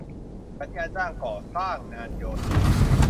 สัญญาจ้างก่อสร้างงานโยธา